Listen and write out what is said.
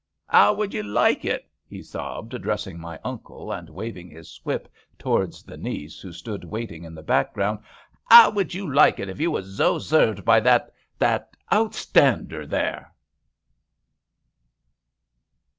"Ow would you like it ?" he sobbed, addressing my uncle and waving his whip towards the niece, who stood waiting in the background, "Ow would you like it if you was zo zerved by that — ^that outstander there